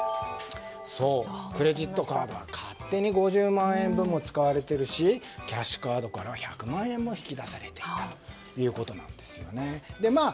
クレジットカードは勝手に５０万円分も使われているしキャッシュカードからは１００万円も引き出されていたということなんですね。